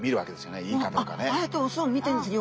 ああやって雄を見てるんですね。